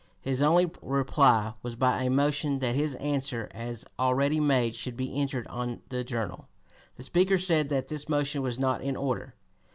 His only reply was by a motion that his answer as already made should be entered (p. 252) on the Journal. The Speaker said that this motion was not in order.